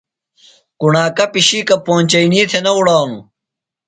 کُݨاکہ پِشیکہ پونچئینی تھےۡ نہ اُڑانوۡ۔